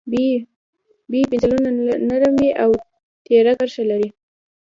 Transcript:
B پنسلونه نرم وي او تېره کرښه لري.